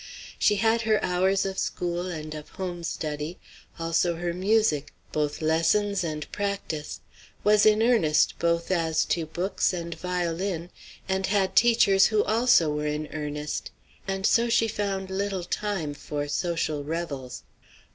She had her hours of school and of home study; also her music, both lessons and practice; was in earnest both as to books and violin, and had teachers who also were in earnest; and so she found little time for social revels.